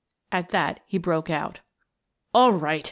At that he broke out " All right!